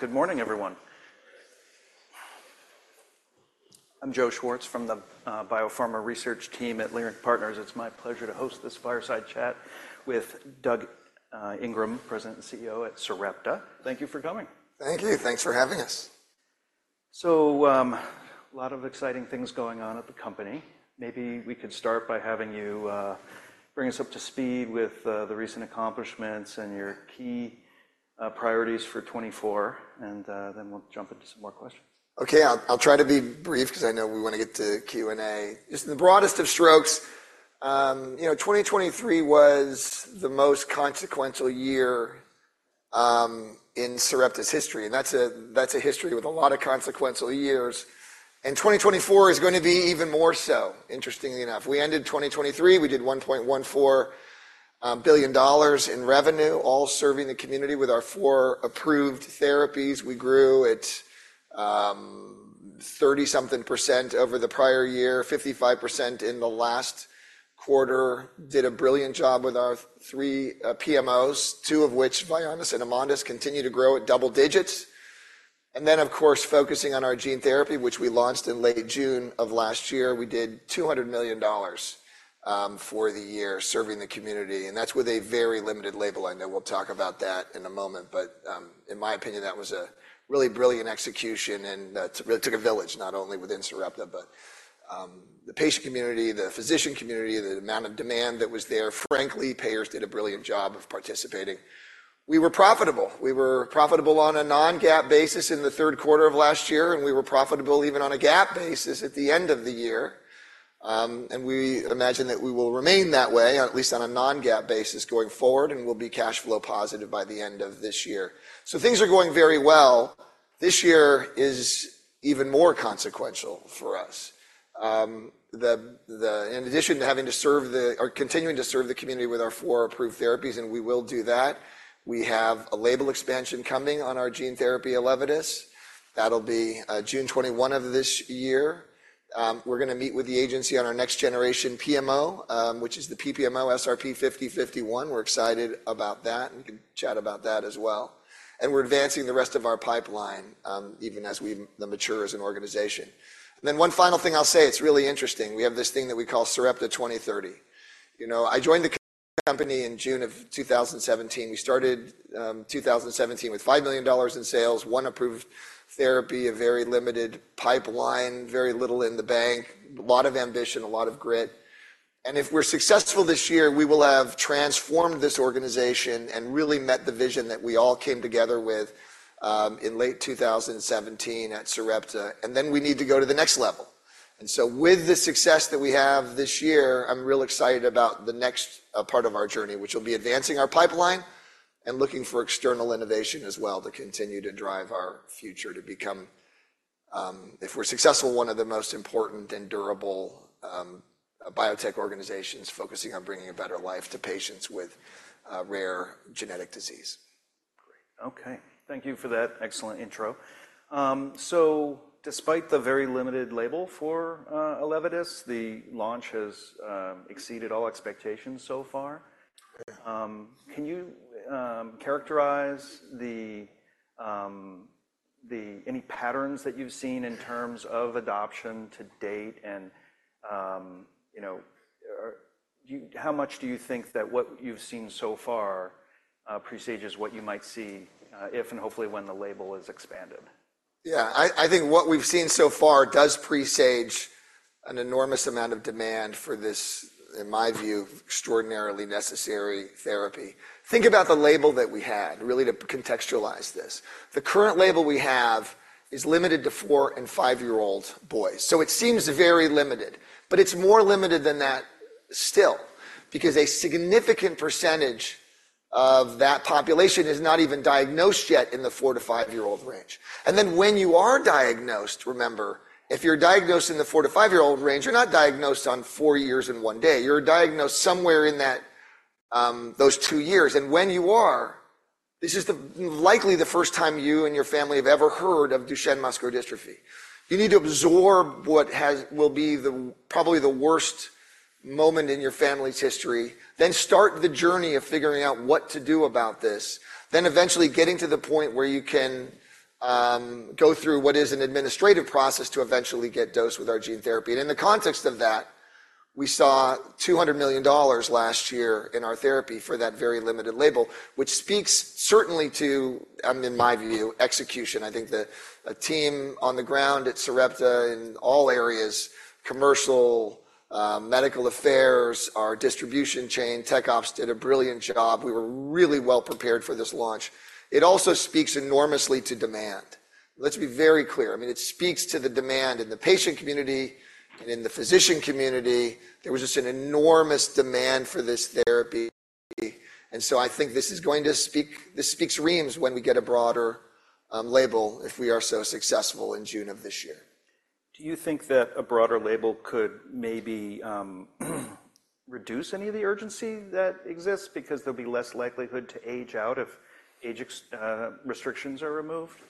Good morning, everyone. I'm Joe Schwartz from the BioPharma Research Team at Leerink Partners. It's my pleasure to host this fireside chat with Doug Ingram, President and CEO at Sarepta. Thank you for coming. Thank you. Thanks for having us. So a lot of exciting things going on at the company. Maybe we could start by having you bring us up to speed with the recent accomplishments and your key priorities for 2024, and then we'll jump into some more questions. Okay. I'll try to be brief because I know we want to get to Q&A. Just in the broadest of strokes, 2023 was the most consequential year in Sarepta's history. That's a history with a lot of consequential years. 2024 is going to be even more so, interestingly enough. We ended 2023. We did $1.14 billion in revenue, all serving the community with our four approved therapies. We grew at 30-something percent over the prior year, 55% in the last quarter. Did a brilliant job with our three PMOs, two of which, Vyondys and Amondys, continue to grow at double digits. Then, of course, focusing on our gene therapy, which we launched in late June of last year, we did $200 million for the year serving the community. That's with a very limited label. I know we'll talk about that in a moment. In my opinion, that was a really brilliant execution and took a village, not only within Sarepta, but the patient community, the physician community, the amount of demand that was there. Frankly, payers did a brilliant job of participating. We were profitable. We were profitable on a non-GAAP basis in the third quarter of last year, and we were profitable even on a GAAP basis at the end of the year. We imagine that we will remain that way, at least on a non-GAAP basis going forward, and we'll be cash flow positive by the end of this year. So things are going very well. This year is even more consequential for us. In addition to having to serve the or continuing to serve the community with our four approved therapies, and we will do that, we have a label expansion coming on our gene therapy, ELEVIDYS. That'll be June 21 of this year. We're going to meet with the agency on our next generation PMO, which is the PPMO SRP-5051. We're excited about that. We can chat about that as well. We're advancing the rest of our pipeline even as we mature as an organization. Then one final thing I'll say, it's really interesting. We have this thing that we call Sarepta 2030. I joined the company in June of 2017. We started 2017 with $5 million in sales, one approved therapy, a very limited pipeline, very little in the bank, a lot of ambition, a lot of grit. If we're successful this year, we will have transformed this organization and really met the vision that we all came together with in late 2017 at Sarepta. Then we need to go to the next level. With the success that we have this year, I'm real excited about the next part of our journey, which will be advancing our pipeline and looking for external innovation as well to continue to drive our future to become, if we're successful, one of the most important and durable biotech organizations focusing on bringing a better life to patients with rare genetic disease. Great. Okay. Thank you for that excellent intro. Despite the very limited label for ELEVIDYS, the launch has exceeded all expectations so far. Can you characterize any patterns that you've seen in terms of adoption to date? How much do you think that what you've seen so far presages what you might see if and hopefully when the label is expanded? Yeah. I think what we've seen so far does presage an enormous amount of demand for this, in my view, extraordinarily necessary therapy. Think about the label that we had, really to contextualize this. The current label we have is limited to four- and five-year-old boys. It seems very limited, but it's more limited than that still because a significant percentage of that population is not even diagnosed yet in the four- to five-year-old range. Then when you are diagnosed, remember, if you're diagnosed in the four- to five-year-old range, you're not diagnosed on four years and one day. You're diagnosed somewhere in those two years. When you are, this is likely the first time you and your family have ever heard of Duchenne muscular dystrophy. You need to absorb what will be probably the worst moment in your family's history, then start the journey of figuring out what to do about this, then eventually getting to the point where you can go through what is an administrative process to eventually get dosed with our gene therapy. In the context of that, we saw $200 million last year in our therapy for that very limited label, which speaks certainly to, in my view, execution. I think the team on the ground at Sarepta in all areas, commercial, medical affairs, our distribution chain, tech ops did a brilliant job. We were really well prepared for this launch. It also speaks enormously to demand. Let's be very clear. It speaks to the demand in the patient community and in the physician community. There was just an enormous demand for this therapy. I think this speaks reams when we get a broader label if we are so successful in June of this year. Do you think that a broader label could maybe reduce any of the urgency that exists because there'll be less likelihood to age out if age restrictions are removed?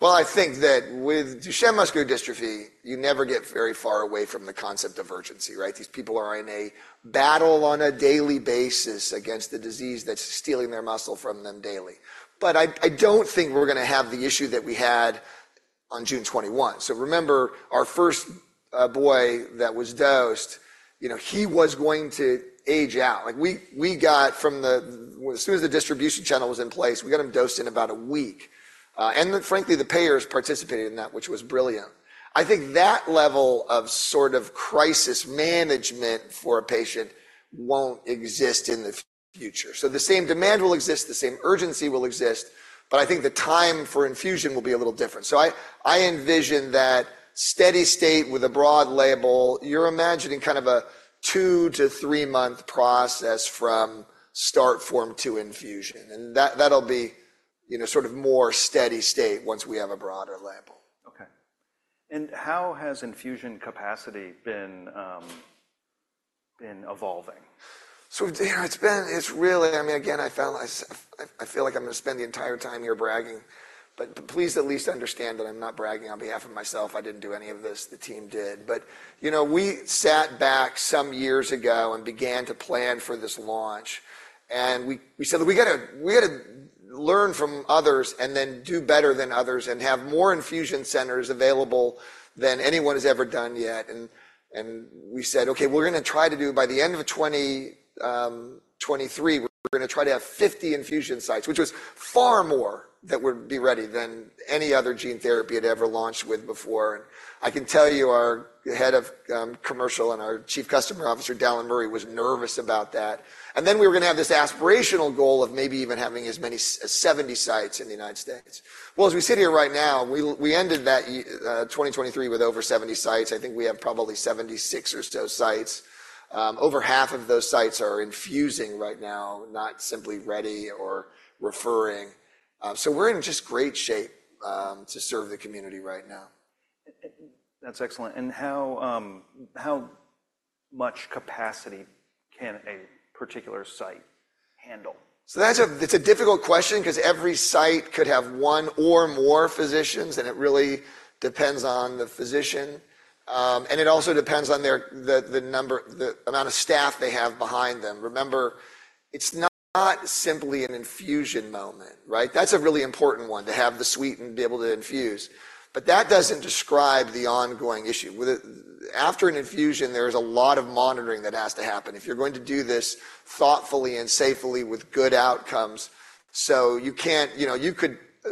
Well, I think that with Duchenne muscular dystrophy, you never get very far away from the concept of urgency. These people are in a battle on a daily basis against the disease that's stealing their muscle from them daily. I don't think we're going to have the issue that we had on June 21. Remember, our first boy that was dosed, he was going to age out. As soon as the distribution channel was in place, we got him dosed in about a week. Frankly, the payers participated in that, which was brilliant. I think that level of crisis management for a patient won't exist in the future. The same demand will exist, the same urgency will exist, but I think the time for infusion will be a little different. I envision that steady state with a broad label. You're imagining kind of a two to three months process from start form two infusion. That'll be more steady state once we have a broader label. Okay. How has infusion capacity been evolving? It's really again, I feel like I'm going to spend the entire time here bragging, but please at least understand that I'm not bragging on behalf of myself. I didn't do any of this. The team did. We sat back some years ago and began to plan for this launch. We said that we got to learn from others and then do better than others and have more infusion centers available than anyone has ever done yet. We said: Okay, we're going to try to do by the end of 2023, we're going to try to have 50 infusion sites, which was far more than would be ready than any other gene therapy had ever launched with before. I can tell you our head of commercial and our Chief Customer Officer, Dallan Murray, was nervous about that. Then we were going to have this aspirational goal of maybe even having as many as 70 sites in the United States. Well, as we sit here right now, we ended that 2023 with over 70 sites. I think we have probably 76 or so sites. Over half of those sites are infusing right now, not simply ready or referring. We're in just great shape to serve the community right now. That's excellent. How much capacity can a particular site handle? That's a difficult question because every site could have one or more physicians, and it really depends on the physician. It also depends on the amount of staff they have behind them. Remember, it's not simply an infusion moment. That's a really important one, to have the suite and be able to infuse. That doesn't describe the ongoing issue. After an infusion, there's a lot of monitoring that has to happen if you're going to do this thoughtfully and safely with good outcomes.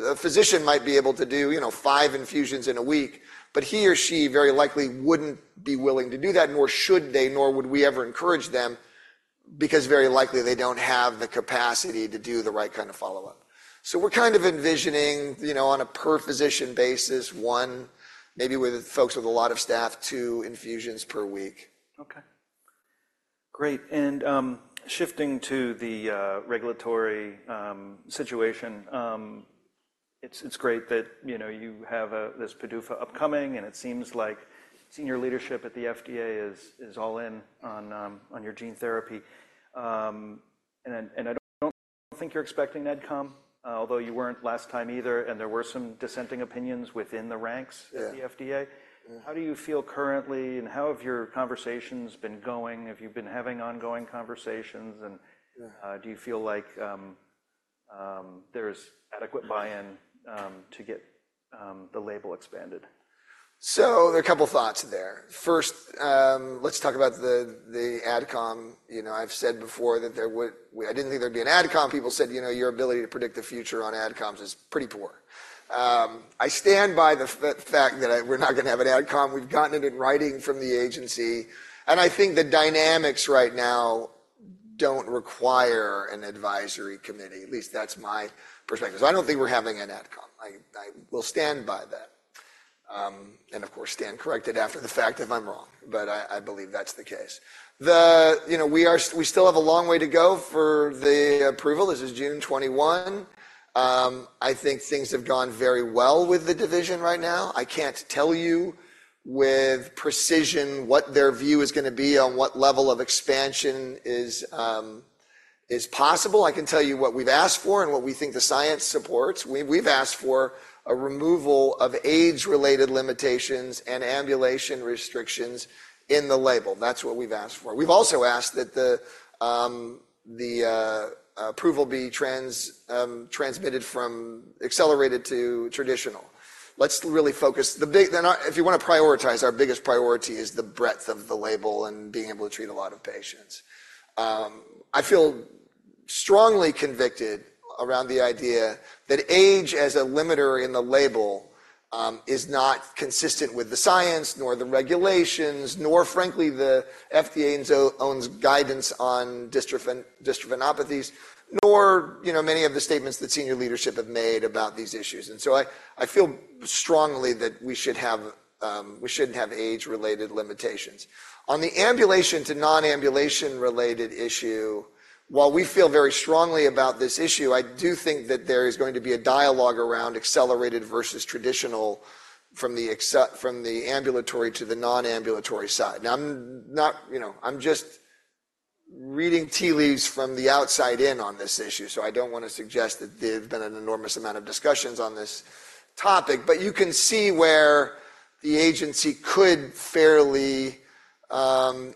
A physician might be able to do five infusions in a week, but he or she very likely wouldn't be willing to do that, nor should they, nor would we ever encourage them because very likely they don't have the capacity to do the right kind of follow-up. We're kind of envisioning on a per-physician basis, one, maybe with folks with a lot of staff, two infusions per week. Okay. Great. Shifting to the regulatory situation, it's great that you have this PDUFA upcoming, and it seems like senior leadership at the FDA is all in on your gene therapy. I don't think you're expecting AdCom, although you weren't last time either, and there were some dissenting opinions within the ranks at the FDA. How do you feel currently, and how have your conversations been going? Have you been having ongoing conversations? Do you feel like there's adequate buy-in to get the label expanded? There are a couple of thoughts there. First, let's talk about the AdCom. I've said before that there would, I didn't think there'd be an AdCom. People said your ability to predict the future on AdComs is pretty poor. I stand by the fact that we're not going to have an AdCom. We've gotten it in writing from the agency. I think the dynamics right now don't require an advisory committee, at least that's my perspective. I don't think we're having an AdCom. I will stand by that and, of course, stand corrected after the fact if I'm wrong, but I believe that's the case. We still have a long way to go for the approval. This is June 21. I think things have gone very well with the division right now. I can't tell you with precision what their view is going to be on what level of expansion is possible. I can tell you what we've asked for and what we think the science supports. We've asked for a removal of age-related limitations and ambulation restrictions in the label. That's what we've asked for. We've also asked that the approval be transmitted from accelerated to traditional. Let's really focus if you want to prioritize, our biggest priority is the breadth of the label and being able to treat a lot of patients. I feel strongly convicted around the idea that age as a limiter in the label is not consistent with the science, nor the regulations, nor, frankly, the FDA's own guidance on dystrophinopathies, nor many of the statements that senior leadership have made about these issues. I feel strongly that we shouldn't have age-related limitations. On the ambulation to non-ambulation related issue, while we feel very strongly about this issue, I do think that there is going to be a dialogue around accelerated versus traditional from the ambulatory to the non-ambulatory side. Now, I'm just reading tea leaves from the outside in on this issue, so I don't want to suggest that there's been an enormous amount of discussions on this topic. You can see where the agency could fairly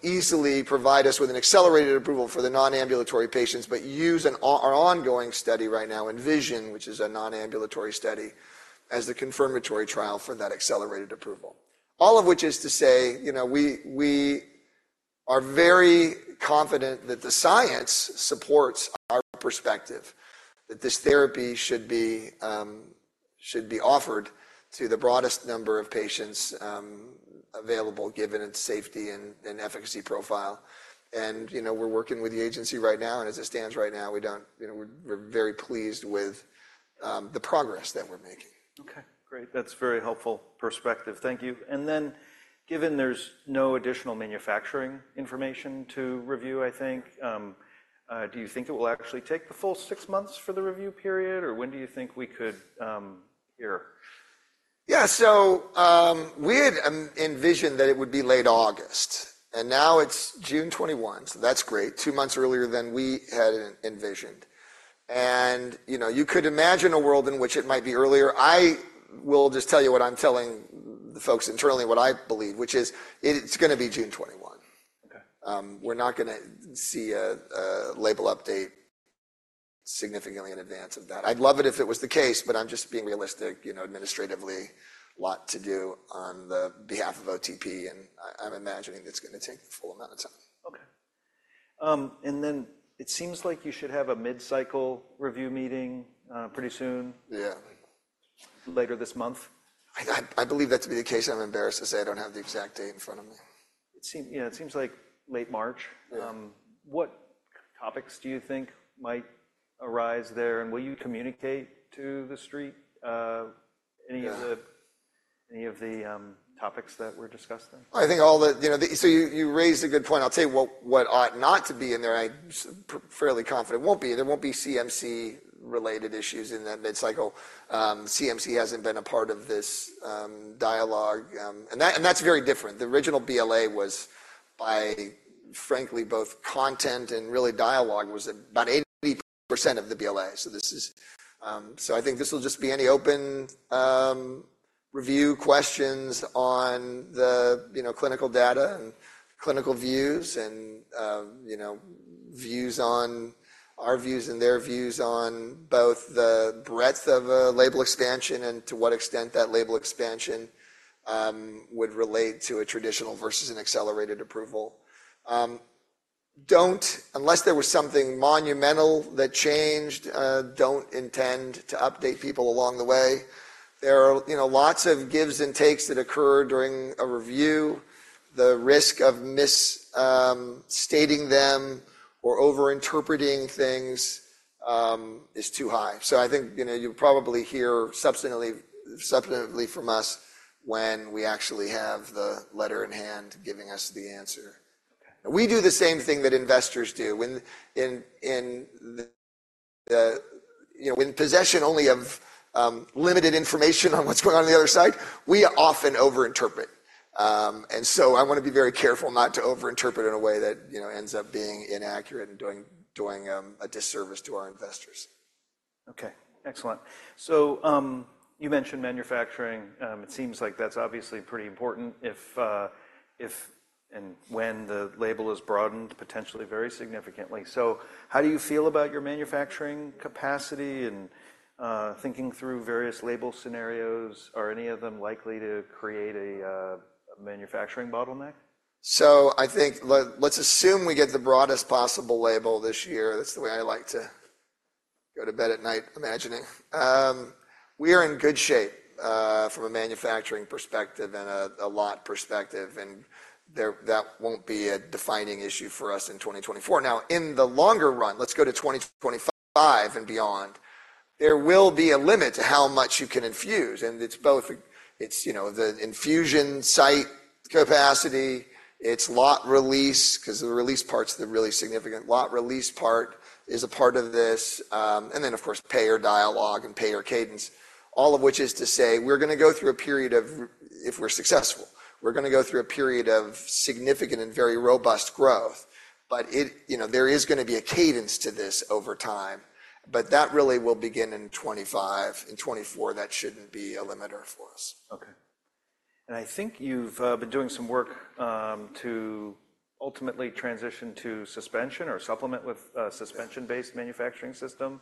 easily provide us with an accelerated approval for the non-ambulatory patients, but use our ongoing study right now, ENVISION, which is a non-ambulatory study, as the confirmatory trial for that accelerated approval. All of which is to say we are very confident that the science supports our perspective, that this therapy should be offered to the broadest number of patients available given its safety and efficacy profile. We're working with the agency right now, and as it stands right now, we're very pleased with the progress that we're making. Okay. Great. That's very helpful perspective. Thank you. Then given there's no additional manufacturing information to review, I think, do you think it will actually take the full six months for the review period, or when do you think we could hear? Yeah. We had envisioned that it would be late August, and now it's June 21. That's great, two months earlier than we had envisioned. You could imagine a world in which it might be earlier. I will just tell you what I'm telling the folks internally, what I believe, which is it's going to be June 21. We're not going to see a label update significantly in advance of that. I'd love it if it was the case, but I'm just being realistic. Administratively, a lot to do on behalf of OTP, and I'm imagining that's going to take the full amount of time. Okay. It seems like you should have a mid-cycle review meeting pretty soon, later this month. I believe that to be the case. I'm embarrassed to say I don't have the exact date in front of me. Yeah. It seems like late March. What topics do you think might arise there, and will you communicate to the street any of the topics that were discussed there? I think all that you raised a good point. I'll tell you what ought not to be in there. I'm fairly confident it won't be. There won't be CMC-related issues in that mid-cycle. CMC hasn't been a part of this dialogue, and that's very different. The original BLA was by, frankly, both content and really dialogue was about 80% of the BLA. I think this will just be any open review questions on the clinical data and clinical views and views on our views and their views on both the breadth of a label expansion and to what extent that label expansion would relate to a traditional versus an accelerated approval. Unless there was something monumental that changed, don't intend to update people along the way. There are lots of gives and takes that occur during a review. The risk of misstating them or overinterpreting things is too high. I think you'll probably hear subsequently from us when we actually have the letter in hand giving us the answer. We do the same thing that investors do. In possession only of limited information on what's going on on the other side, we often overinterpret. I want to be very careful not to overinterpret in a way that ends up being inaccurate and doing a disservice to our investors. Okay. Excellent. You mentioned manufacturing. It seems like that's obviously pretty important when the label is broadened potentially very significantly. How do you feel about your manufacturing capacity and thinking through various label scenarios? Are any of them likely to create a manufacturing bottleneck? I think, let's assume we get the broadest possible label this year. That's the way I like to go to bed at night imagining. We are in good shape from a manufacturing perspective and a lot perspective, and that won't be a defining issue for us in 2024. Now, in the longer run, let's go to 2025 and beyond. There will be a limit to how much you can infuse, and it's both the infusion site capacity, it's lot release because the release part's the really significant lot release part is a part of this, and then, of course, payer dialogue and payer cadence, all of which is to say we're going to go through a period of if we're successful, we're going to go through a period of significant and very robust growth. There is going to be a cadence to this over time, but that really will begin in 2025. In 2024, that shouldn't be a limiter for us. Okay. I think you've been doing some work to ultimately transition to suspension or supplement with a suspension-based manufacturing system.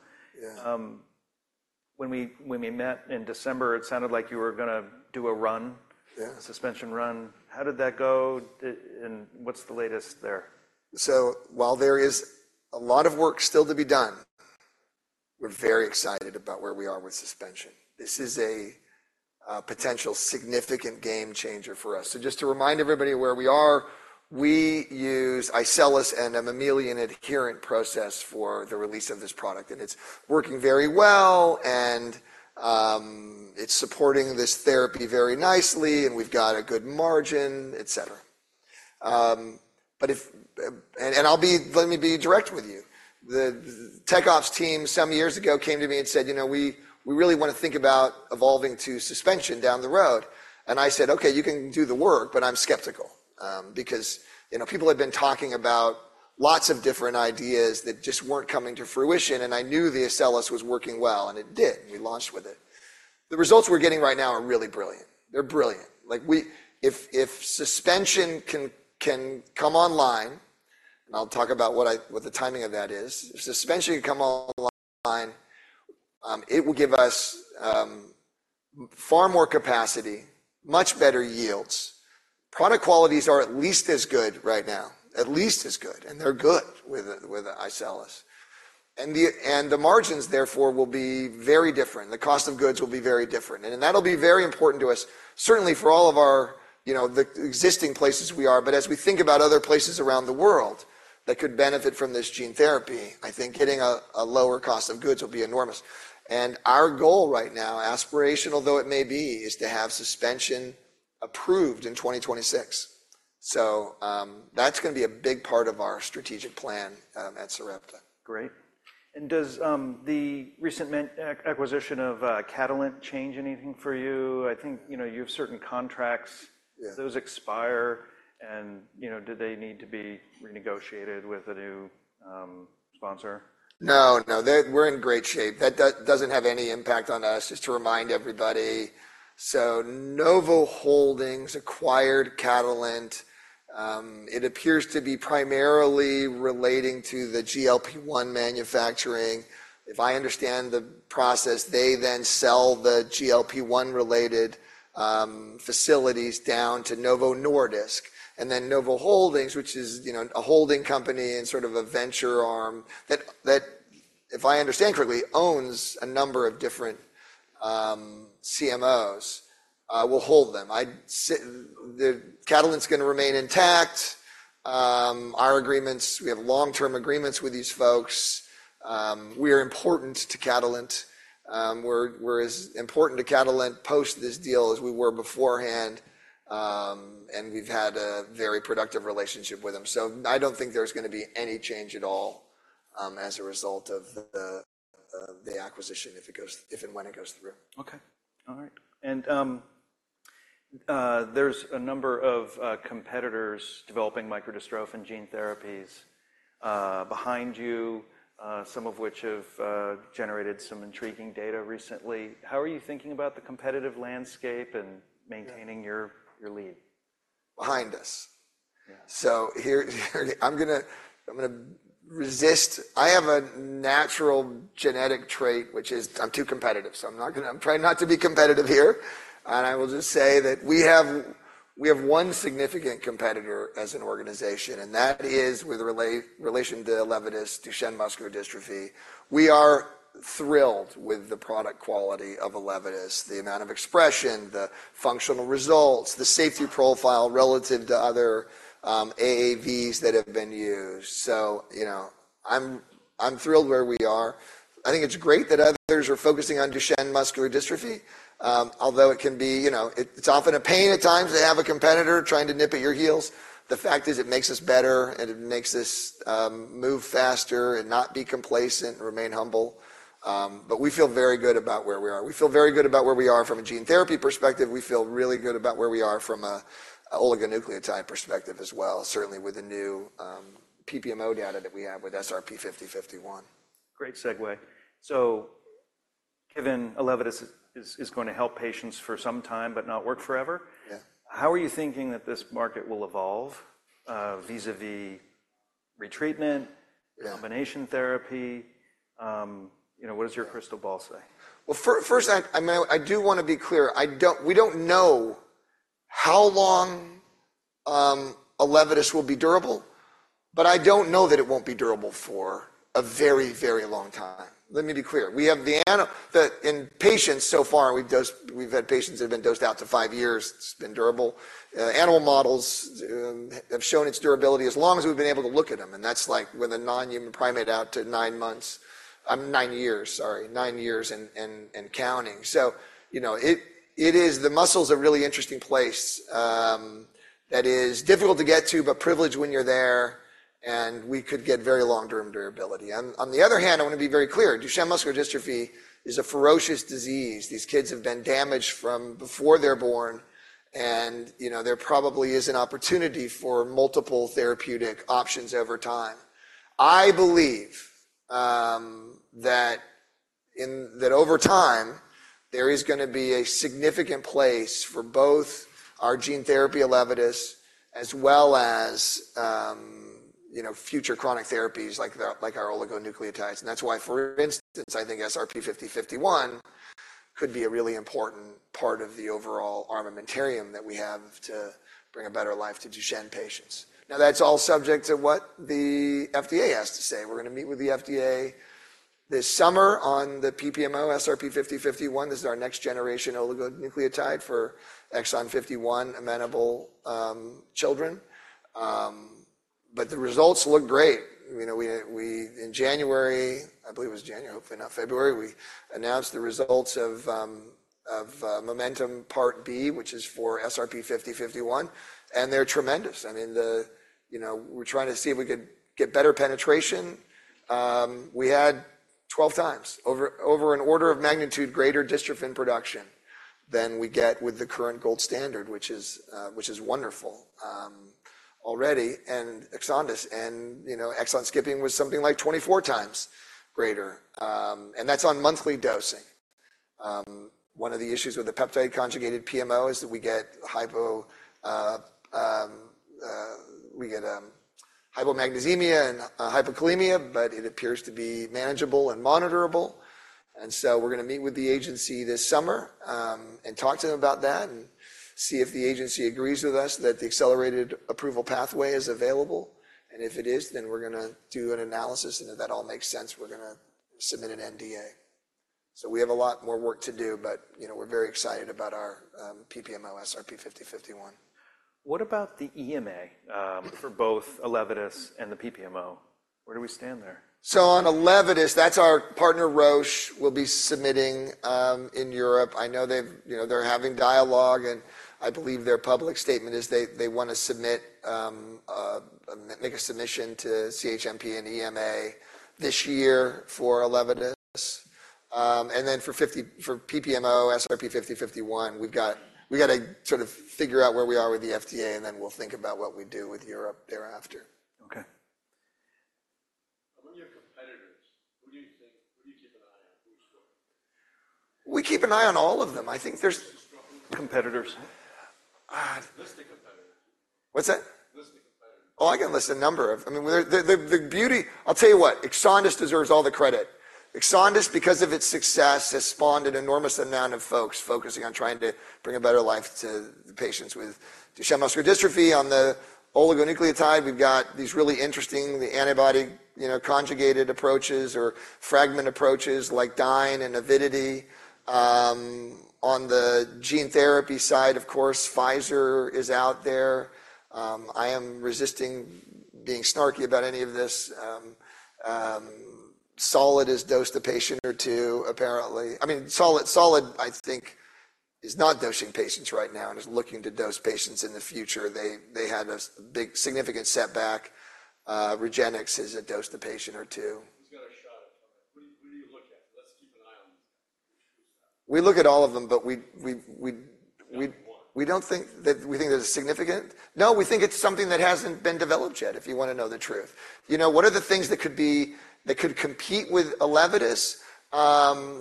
When we met in December, it sounded like you were going to do a run, a suspension run. How did that go, and what's the latest there? While there is a lot of work still to be done, we're very excited about where we are with suspension. This is a potential significant game changer for us. Just to remind everybody of where we are, we use iCELLis and a mammalian adherent process for the release of this product, and it's working very well, and it's supporting this therapy very nicely, and we've got a good margin, etc. Let me be direct with you. The tech ops team some years ago came to me and said: We really want to think about evolving to suspension down the road. I said: Okay, you can do the work, but I'm skeptical because people had been talking about lots of different ideas that just weren't coming to fruition. I knew the iCELLis was working well, and it did. We launched with it. The results we're getting right now are really brilliant. They're brilliant. If suspension can come online, and I'll talk about what the timing of that is. If suspension can come online, it will give us far more capacity, much better yields. Product qualities are at least as good right now, at least as good, and they're good with ELEVIDYS. The margins, therefore, will be very different. The cost of goods will be very different, and that'll be very important to us, certainly for all of the existing places we are. But as we think about other places around the world that could benefit from this gene therapy, I think hitting a lower cost of goods will be enormous. Our goal right now, aspirational though it may be, is to have suspension approved in 2026. That's going to be a big part of our strategic plan at Sarepta. Great. Does the recent acquisition of Catalent change anything for you? I think you have certain contracts. Those expire, and did they need to be renegotiated with a new sponsor? No, no. We're in great shape. That doesn't have any impact on us, just to remind everybody. Novo Holdings acquired Catalent. It appears to be primarily relating to the GLP-1 manufacturing. If I understand the process, they then sell the GLP-1 related facilities down to Novo Nordisk, and then Novo Holdings, which is a holding company and sort of a venture arm that, if I understand correctly, owns a number of different CMOs, will hold them. Catalent's going to remain intact. We have long-term agreements with these folks. We are important to Catalent. We're as important to Catalent post this deal as we were beforehand, and we've had a very productive relationship with them. I don't think there's going to be any change at all as a result of the acquisition if and when it goes through. Okay. All right. There's a number of competitors developing micro-dystrophin gene therapies behind you, some of which have generated some intriguing data recently. How are you thinking about the competitive landscape and maintaining your lead? Behind us. I'm going to resist. I have a natural genetic trait, which is I'm too competitive, so I'm trying not to be competitive here. I will just say that we have one significant competitor as an organization, and that is with relation to ELEVIDYS, Duchenne muscular dystrophy. We are thrilled with the product quality of ELEVIDYS, the amount of expression, the functional results, the safety profile relative to other AAVs that have been used. I'm thrilled where we are. I think it's great that others are focusing on Duchenne muscular dystrophy, although it can be it's often a pain at times to have a competitor trying to nip at your heels. The fact is it makes us better, and it makes us move faster and not be complacent and remain humble. We feel very good about where we are. We feel very good about where we are from a gene therapy perspective. We feel really good about where we are from an oligonucleotide perspective as well, certainly with the new PPMO data that we have with SRP-5051. Great segue. Given ELEVIDYS is going to help patients for some time but not work forever. How are you thinking that this market will evolve vis-à-vis retreatment, combination therapy? What does your crystal ball say? Well, first, I do want to be clear. We don't know how long ELEVIDYS will be durable, but I don't know that it won't be durable for a very, very long time. Let me be clear. In patients so far, we've had patients that have been dosed out to five years. It's been durable. Animal models have shown its durability as long as we've been able to look at them, and that's like with a non-human primate out to nine months. I'm nine years, sorry, nine years and counting. It is, the muscles are really interesting places that is difficult to get to but privileged when you're there, and we could get very long-term durability. On the other hand, I want to be very clear. Duchenne muscular dystrophy is a ferocious disease. These kids have been damaged from before they're born, and there probably is an opportunity for multiple therapeutic options over time. I believe that over time, there is going to be a significant place for both our gene therapy ELEVIDYS as well as future chronic therapies like our oligonucleotides. That's why, for instance, I think SRP-5051 could be a really important part of the overall armamentarium that we have to bring a better life to Duchenne patients. Now, that's all subject to what the FDA has to say. We're going to meet with the FDA this summer on the PPMO SRP-5051. This is our next generation oligonucleotide for exon 51 amenable children. The results look great. In January, I believe it was January, hopefully not February, we announced the results of Momentum Part B, which is for SRP-5051, and they're tremendous. We're trying to see if we could get better penetration. We had 12x, over an order of magnitude greater dystrophin production than we get with the current gold standard, which is wonderful already. Exon skipping was something like 24x greater, and that's on monthly dosing. One of the issues with the peptide conjugated PMO is that we get hypomagnesemia and hypokalemia, but it appears to be manageable and monitorable. We're going to meet with the agency this summer and talk to them about that and see if the agency agrees with us that the accelerated approval pathway is available. If it is, then we're going to do an analysis, and if that all makes sense, we're going to submit an NDA. We have a lot more work to do, but we're very excited about our PPMO SRP-5051. What about the EMA for both ELEVIDYS and the PPMO? Where do we stand there? On ELEVIDYS, that's our partner, Roche, will be submitting in Europe. I know they're having dialogue, and I believe their public statement is they want to make a submission to CHMP and EMA this year for ELEVIDYS. Then for PPMO SRP-5051, we've got to figure out where we are with the FDA, and then we'll think about what we do with Europe thereafter. Okay. Among your competitors, who do you keep an eye on? Who's who? We keep an eye on all of them. I think there's. Competitors? List the competitors. What's that? List the competitors. I'll tell you what, EXONDYS deserves all the credit. EXONDYS, because of its success, has spawned an enormous amount of folks focusing on trying to bring a better life to the patients with Duchenne muscular dystrophy. On the oligonucleotide, we've got these really interesting antibody conjugated approaches or fragment approaches like Dyne and Avidity. On the gene therapy side, of course, Pfizer is out there. I am resisting being snarky about any of this. Solid has dosed a patient or two, apparently. Solid, I think, is not dosing patients right now and is looking to dose patients in the future. They had a big, significant setback. RegenX has dosed a patient or two. He's got a shot at something. What do you look at? Let's keep an eye on these. We look at all of them, but we don't think there's a significant—no, we think it's something that hasn't been developed yet, if you want to know the truth. What are the things that could compete with ELEVIDYS?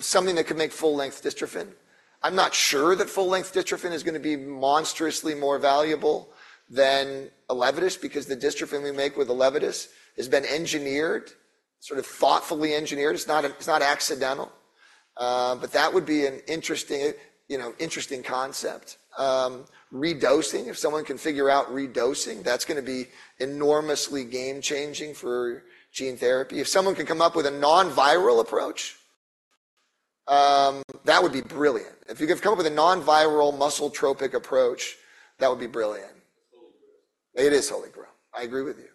Something that could make full-length dystrophin? I'm not sure that full-length dystrophin is going to be monstrously more valuable than ELEVIDYS because the dystrophin we make with ELEVIDYS has been engineered, thoughtfully engineered. It's not accidental, but that would be an interesting concept. Redosing, if someone can figure out redosing, that's going to be enormously game-changing for gene therapy. If someone can come up with a non-viral approach, that would be brilliant. If you can come up with a non-viral muscle tropic approach, that would be brilliant. It's Holy Grail. It is the Holy Grail. I agree with you.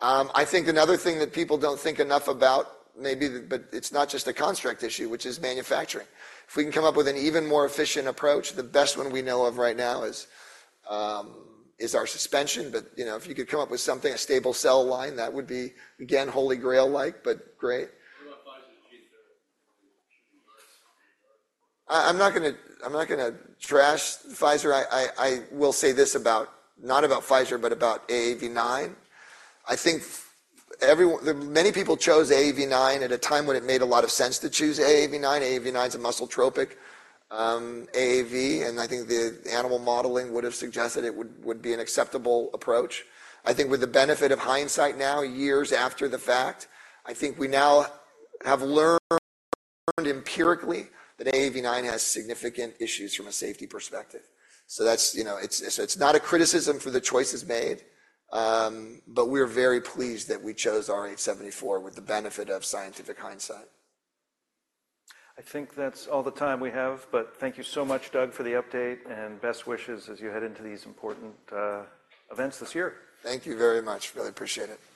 I think another thing that people don't think enough about, maybe, but it's not just a construct issue, which is manufacturing. If we can come up with an even more efficient approach, the best one we know of right now is our suspension. If you could come up with something, a stable cell line, that would be, again, Holy Grail-like but great. What about Pfizer's gene therapy? I'm not going to trash Pfizer. I will say this about not about Pfizer, but about AAV9. I think many people chose AAV9 at a time when it made a lot of sense to choose AAV9. AAV9 is a muscle tropic AAV, and I think the animal modeling would have suggested it would be an acceptable approach. I think with the benefit of hindsight now, years after the fact, I think we now have learned empirically that AAV9 has significant issues from a safety perspective. It's not a criticism for the choices made, but we're very pleased that we chose AAVrh74 with the benefit of scientific hindsight. I think that's all the time we have, but thank you so much, Doug, for the update and best wishes as you head into these important events this year. Thank you very much. Really appreciate it.